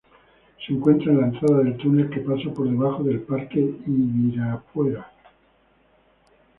Se encuentra en la entrada del túnel que pasa por debajo del Parque Ibirapuera.